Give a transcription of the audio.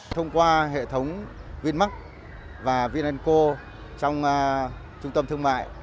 thông qua hệ thống vinmark và vin co trong trung tâm thương mại